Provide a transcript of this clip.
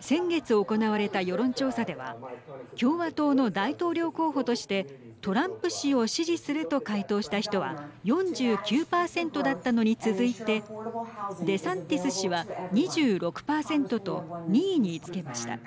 先月行われた世論調査では共和党の大統領候補としてトランプ氏を支持すると回答した人は４９％だったのに続いてデサンティス氏は２６％と２位につけました。